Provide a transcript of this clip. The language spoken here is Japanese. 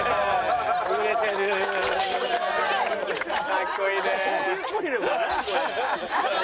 かっこいいな。